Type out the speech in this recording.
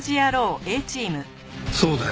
そうだよ。